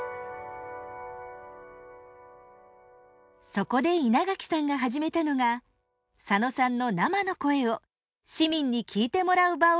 そこで稲垣さんが始めたのが佐野さんの生の声を市民に聞いてもらう場をつくることでした。